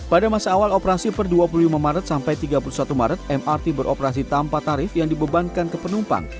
pada masa awal operasi per dua puluh lima maret sampai tiga puluh satu maret mrt beroperasi tanpa tarif yang dibebankan ke penumpang